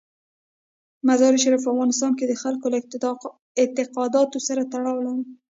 مزارشریف په افغانستان کې د خلکو له اعتقاداتو سره تړاو لري.